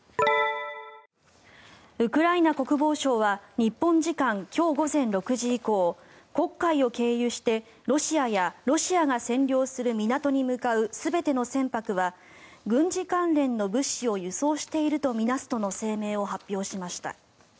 ウクライナ国防省は日本時間今日午前６時以降黒海を経由してロシアや、ロシアが占領する港に向かう全ての船舶は軍事関連の物資を輸送していると見なすとの声明を発表しました。